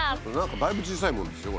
だいぶ小さいものですよ。